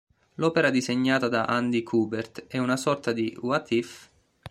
L'opera, disegnata da Andy Kubert, è una sorta di "What if...?